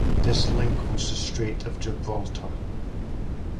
This link was the Strait of Gibraltar.